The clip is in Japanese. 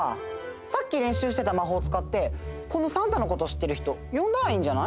さっきれんしゅうしてた魔法をつかってこのサンタのことを知ってる人よんだらいいんじゃない？